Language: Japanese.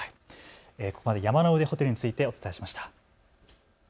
ここまで山の上ホテルについてお伝えしました。